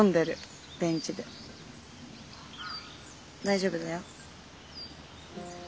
大丈夫だよ。